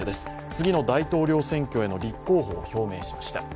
次の大統領選挙への立候補を表明しました。